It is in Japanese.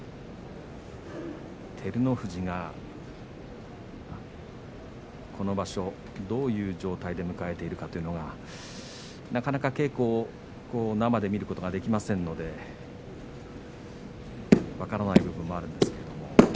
照ノ富士がこの場所をどういう状態で迎えているかというのはなかなか稽古を生で見ることができませんので分からない部分もあるんですが。